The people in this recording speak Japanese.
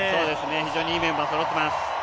非常にいいメンバーそろっています。